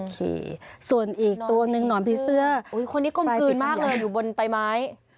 โอเคส่วนอีกตัวนึงนอนพรีชเสื้อใกล้ติดใหญ่โอ้โฮคนนี้กลมกลืนมากเลยอยู่บนปลายไม้